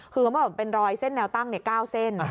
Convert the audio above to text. คือเขาบอกเป็นรอยเส้นแนวตั้ง๙เส้น